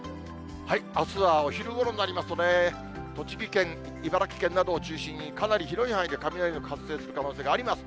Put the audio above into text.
あすはお昼ごろになりますとね、栃木県、茨城県などを中心にかなり広い範囲で雷の発生する可能性があります。